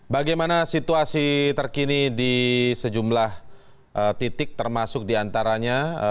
bagaimana situasi terkini di sejumlah titik termasuk diantaranya